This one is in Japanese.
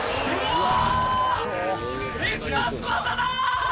うわ！